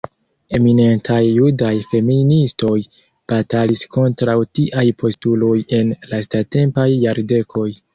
Eminentaj Judaj feministoj batalis kontraŭ tiaj postuloj en lastatempaj jardekoj.